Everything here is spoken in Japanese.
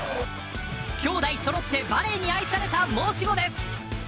きょうだいそろってバレーに愛された申し子です。